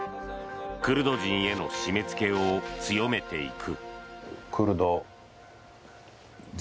クルド人への締め付けを強めていく。